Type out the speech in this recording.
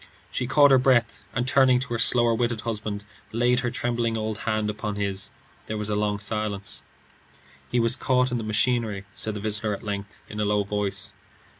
She caught her breath, and turning to her slower witted husband, laid her trembling old hand upon his. There was a long silence. "He was caught in the machinery," said the visitor at length in a low voice.